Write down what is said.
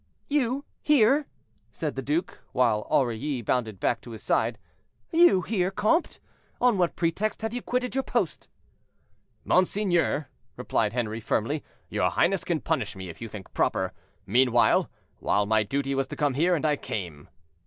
"You here!" said the duke, while Aurilly bounded back to his side; "you here, comte?—on what pretext have you quitted your post?" "Monseigneur," replied Henri, firmly, "your highness can punish me, if you think proper: meanwhile, my duty was to come here, and I came."